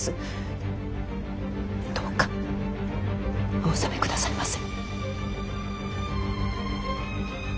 どうかお収め下さいませ。